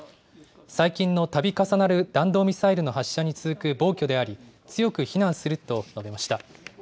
最近のたび重なる弾道ミサイルの発射に続く暴挙であり強く非難すると述べました。